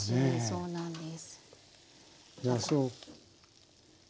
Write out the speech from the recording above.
そうなんです。